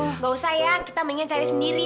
nggak usah ya kita ingin cari sendiri